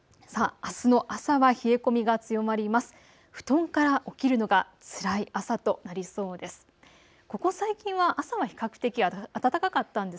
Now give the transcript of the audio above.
あすの朝は冷え込みが強まります。